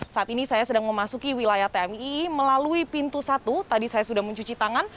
saat ini saya sedang memasuki wilayah tmii melalui pintu satu tadi saya sudah mencuci tangan